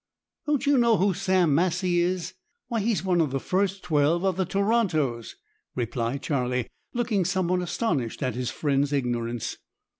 "Don't you know who Sam Massie is? Why, he's one of the first twelve of the Torontos," replied Charlie, looking somewhat astonished at his friend's ignorance.